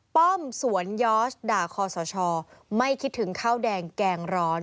ป้อมสวนยอสด่าคอสชไม่คิดถึงข้าวแดงแกงร้อน